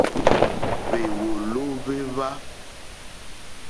Hwèwòló hwé hwa.